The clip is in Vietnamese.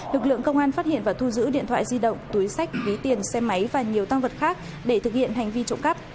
lực lượng công an phát hiện và thu giữ điện thoại di động túi sách ví tiền xe máy và nhiều tăng vật khác để thực hiện hành vi trộm cắp